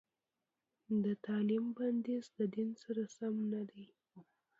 د تعليم بندیز د دین سره سم نه دی.